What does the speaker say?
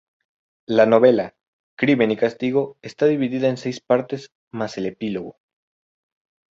La novela "Crimen y castigo" está dividida en seis partes más el epílogo.